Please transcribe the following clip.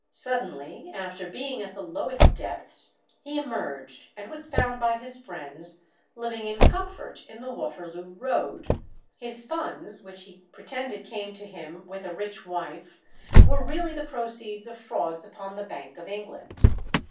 Suddenly, after being at the lowest depths, he emerged, and was found by his friends living in comfort in the Waterloo Road. His funds, which he pretended came to him with a rich wife, were really the proceeds of frauds upon the Bank of England.